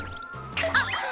あ！